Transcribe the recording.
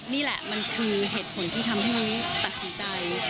นี่แหละมันคือเหตุผลที่ทำให้ตัดสินใจ